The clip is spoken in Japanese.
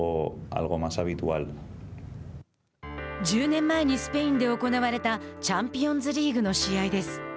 １０年前にスペインで行われたチャンピオンズリーグの試合です。